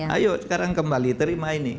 ayo sekarang kembali terima ini